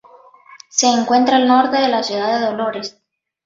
Se encuentra al norte de la ciudad de Dolores.